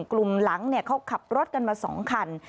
กลุ่มหลังเขาขับรถกันมา๒คัน